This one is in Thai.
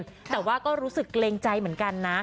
แต่ว่าก็รู้สึกเกรงใจเหมือนกันนะ